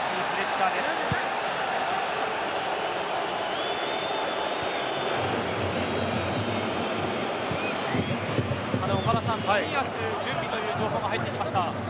ただ岡田さん冨安、準備という情報入ってきました。